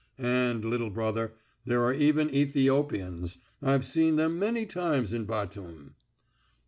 And, little brother, there are even Ethiopians. I've seen them many times in Batum!"